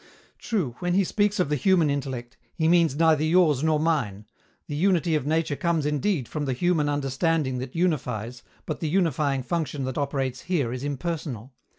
True, when he speaks of the human intellect, he means neither yours nor mine: the unity of nature comes indeed from the human understanding that unifies, but the unifying function that operates here is impersonal.